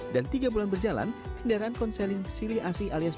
dan tiga bulan berjalan kendaraan konseling sili asih aliasnya